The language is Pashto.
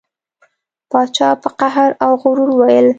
پاچا په قهر او غرور وویل.